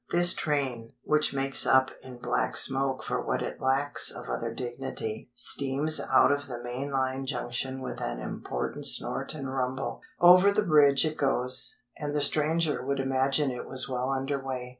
This train, which makes up in black smoke for what it lacks of other dignity, steams out of the main line junction with an important snort and rumble; over the bridge it goes, and the stranger would imagine it was well under way.